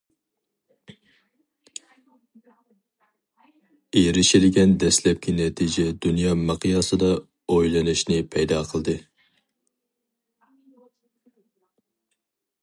ئېرىشىلگەن دەسلەپكى نەتىجە دۇنيا مىقياسىدا ئويلىنىشنى پەيدا قىلدى.